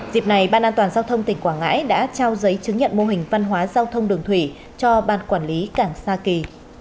dịp này ban an toàn giao thông tỉnh quảng ngãi đã trao giấy chứng nhận mô hình văn hóa giao thông đường thủy cho ban quản lý cảng sa kỳ